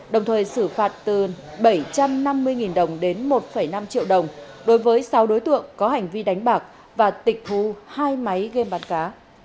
đồng thời xử phạt từ bảy trăm năm mươi đồng đến một năm triệu đồng đối với sáu đối tượng có hành vi đánh bạc và tịch thu hai máy game bán cá